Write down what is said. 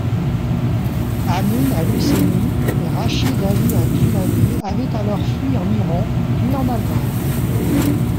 Amin al-Husseini et Rachid Ali al-Gillani avaient alors fui en Iran puis en Allemagne.